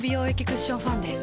クッションファンデ